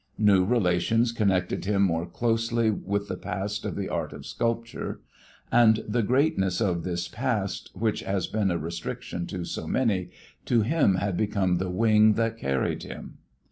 New relations connected him more closely with the past of the art of sculpture, and the greatness of this past, which has been a restriction to so many, to him had become the wing that carried him.